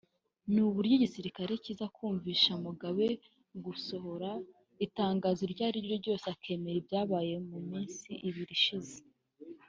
ni uburyo igisirikare kiza kumvisha Mugabe gusohora itangazo iryo ari ryose akemera ibyabaye mu minsi ibiri ishize